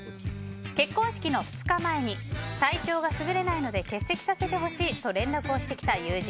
結婚式の２日前に体調がすぐれないので欠席させてほしいと連絡をしてきた友人。